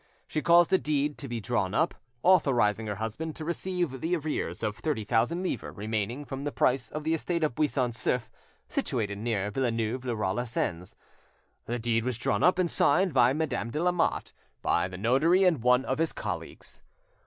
She caused a deed to be drawn up, authorising her husband to receive the arrears of thirty thousand livres remaining from the price of the estate of Buisson Souef, situated near Villeneuve le Roi lez Sens. The deed was drawn up and signed by Madame de Lamotte, by the notary, and one of his colleagues.